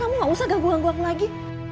kamu gak usah ganggu ganggu aku lagi